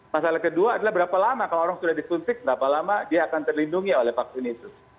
masalah kedua adalah berapa lama kalau orang sudah disuntik berapa lama dia akan terlindungi oleh vaksin itu